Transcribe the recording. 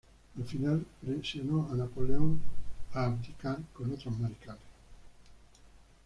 Al final, presionó a Napoleón a abdicar con otros mariscales.